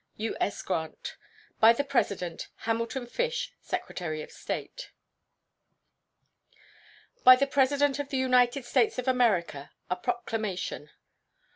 U.S. GRANT. By the President: HAMILTON FISH, Secretary of State. BY THE PRESIDENT OF THE UNITED STATES OF AMERICA. A PROCLAMATION.